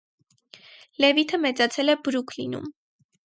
Լևիթը մեծացել է Բրուքլինում։